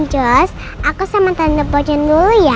ncos aku sama tante frodion dulu ya